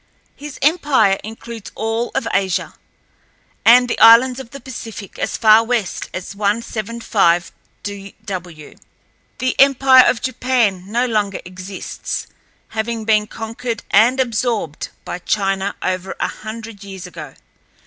His empire includes all of Asia, and the islands of the Pacific as far east as 175°W. The empire of Japan no longer exists, having been conquered and absorbed by China over a hundred years ago.